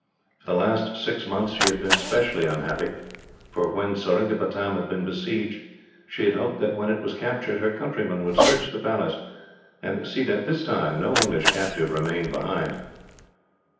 For the last six months she had been specially unhappy, for when Seringapatam had been besieged she had hoped that, when it was captured, her countrymen would search the Palace and see that, this time, no English captive remained behind.